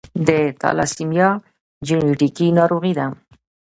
د تالاسیمیا جینیټیکي ناروغي ده.